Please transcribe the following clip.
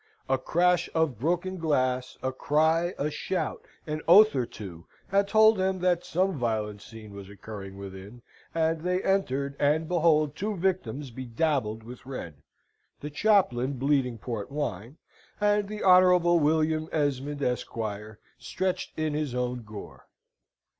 A crash of broken glass, a cry, a shout, an oath or two, had told them that some violent scene was occurring within, and they entered, and behold two victims bedabbled with red the chaplain bleeding port wine, and the Honourable William Esmond, Esquire, stretched in his own gore.